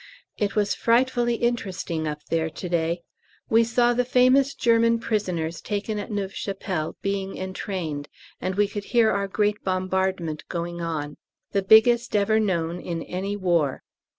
It was frightfully interesting up there to day; we saw the famous German prisoners taken at Neuve Chapelle being entrained, and we could hear our great bombardment going on the biggest ever known in any war.